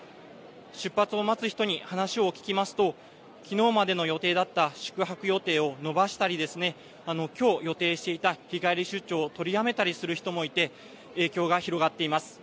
出発を待つ人に話を聞きますときのうまでの予定だった宿泊予定を延ばしたりきょう予定していた日帰り出張を取りやめたりする人もいて影響が広がっています。